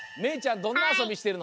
どんなあそびしてるの？